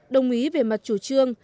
đồng ý về mặt chủ trương